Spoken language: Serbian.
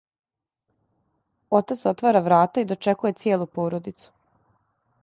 Отац отвара врата и дочекује цијелу породицу.